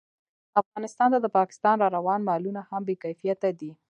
افغانستان ته د پاکستان راروان مالونه هم بې کیفیته دي